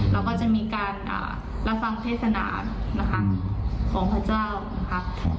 เราก็จะมีการรับฟังเทศนานะคะของพระเจ้านะคะ